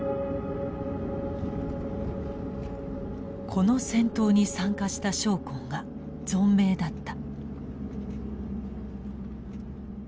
この戦闘に参加した将校が存命だった。